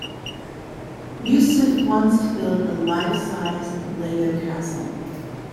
Yusuf wants to build a life-size Lego castle.